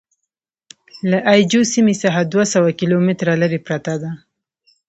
له اي جو سیمې څخه دوه سوه کیلومتره لرې پرته ده.